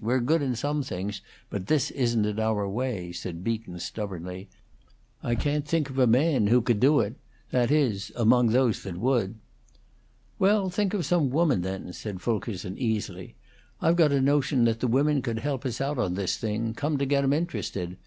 We're good in some things, but this isn't in our way," said Beaton, stubbornly. "I can't think of a man who could do it; that is, among those that would." "Well, think of some woman, then," said Fulkerson, easily. "I've got a notion that the women could help us out on this thing, come to get 'em interested.